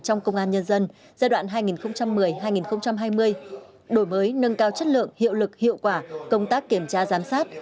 trong công an nhân dân giai đoạn hai nghìn một mươi hai nghìn hai mươi đổi mới nâng cao chất lượng hiệu lực hiệu quả công tác kiểm tra giám sát